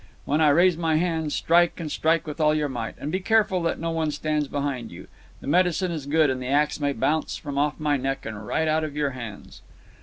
When I raise my hand, strike, and strike with all your might. And be careful that no one stands behind you. The medicine is good, and the axe may bounce from off my neck and right out of your hands."